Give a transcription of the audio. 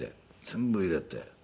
全部入れて。